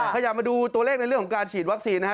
ขยับมาดูตัวเลขในเรื่องของการฉีดวัคซีนนะฮะ